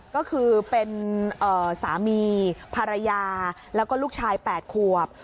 ก็คือเป็นสามีภรรยาแล้วก็ลูกชาย๘ขวบ